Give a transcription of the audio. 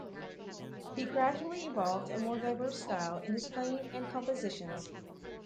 He gradually evolved a more diverse style in his playing and compositions.